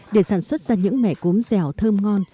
để sản xuất ra những mẻ cốm dẻo thơm ngon